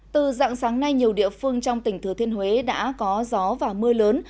từ dạng sáng nay nhiều địa phương trong tỉnh thừa thiên huế đã có gió và mưa lớn